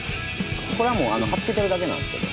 これはもう貼っ付けてるだけなんですけど。